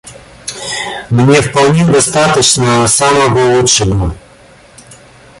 Мне вполне достаточно самого лучшего.